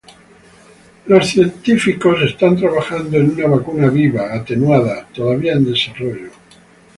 Los científicos están trabajando en una vacuna viva atenuada, todavía en desarrollo.